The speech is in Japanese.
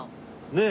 ねえ。